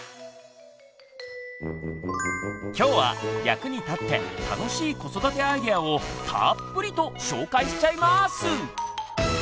今日は役に立って楽しい子育てアイデアをたっぷりと紹介しちゃいます！